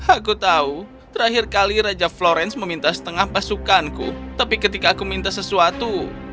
aku tahu terakhir kali raja florence meminta setengah pasukanku tapi ketika aku minta sesuatu